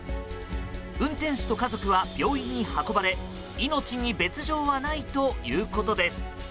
運転手と家族は病院に運ばれ命に別条はないということです。